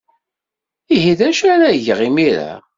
Ihi d acu ara geɣ imir-a?